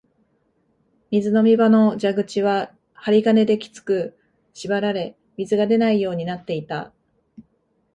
水飲み場の蛇口は針金できつく縛られ、水が出ないようになっていた